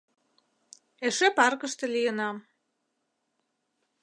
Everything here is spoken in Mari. Эше паркыште лийынам.